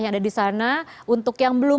yang ada di sana untuk yang belum